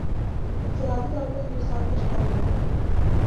انفرادی طور پر ہندسوں کی چھٹائی کریں